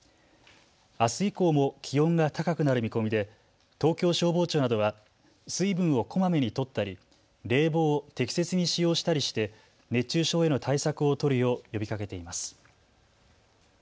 あす以降も気温が高くなる見込みで東京消防庁などは水分をこまめにとったり、冷房を適切に使用したりして熱中症への対策を取るよう呼びかけています。